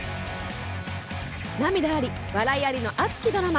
涙あり、笑いありの熱きドラマ。